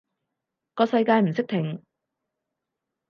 個世界唔識停